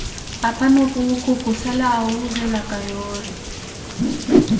Apanho Puukhu khusala awoozela ori.